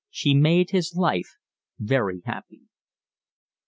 She made his life very happy.